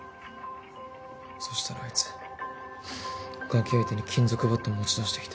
そしたらあいつガキ相手に金属バット持ち出してきて。